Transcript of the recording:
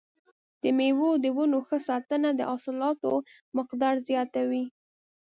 د مېوو د ونو ښه ساتنه د حاصلاتو مقدار زیاتوي.